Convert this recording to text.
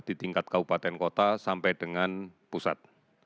di tingkat kabupaten kota sampai dengan pusat